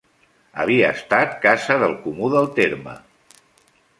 Havia estat Casa del comú del terme.